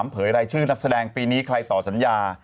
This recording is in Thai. เผยรายชื่อนักแสดงปีนี้ใครต่อสัญญา